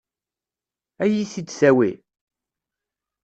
Ad iyi-t-id-tawi?